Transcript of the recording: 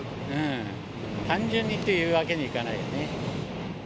単純にというわけにはいかないよね。